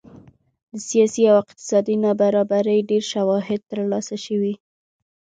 د سیاسي او اقتصادي نابرابرۍ ډېر شواهد ترلاسه شوي